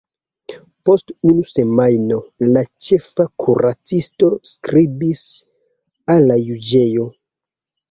Post unu semajno la ĉefa kuracisto skribis al la juĝejo.